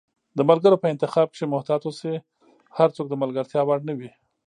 د ملګرو په انتخاب کښي محتاط اوسی، هرڅوک د ملګرتیا وړ نه وي